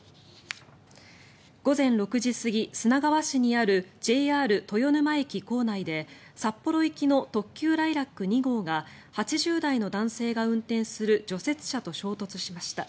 午前６時過ぎ砂川市にあるＪＲ豊沼駅にある構内で札幌行きの特急ライラック２号が８０代の男性が運転する除雪車と衝突しました。